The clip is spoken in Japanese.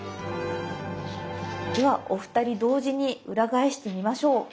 ではお二人同時に裏返してみましょう。